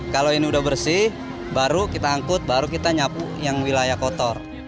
kalau ini sudah bersih baru kita angkut baru kita nyapu yang wilayah kotor